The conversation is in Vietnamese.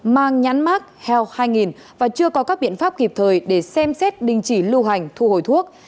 mang nhắn mark health hai nghìn và chưa có các biện pháp kịp thời để xem xét đình chỉ lưu hành thu hồi thuốc